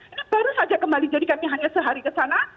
ini baru saja kembali jadi kami hanya sehari ke sana